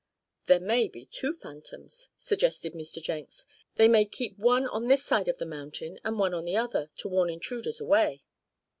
"There may be two phantoms," suggested Mr. Jenks. "They may keep one on this side of the mountain, and one on the other, to warn intruders away.